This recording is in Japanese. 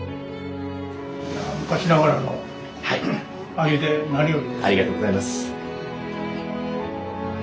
ありがとうございます。